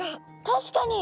確かに！